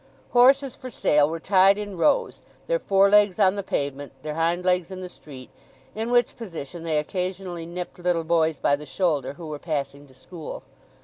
Horses for sale were tied in rows, their forelegs on the pavement, their hind legs in the street, in which position they occasionally nipped little boys by the shoulder who were passing to school.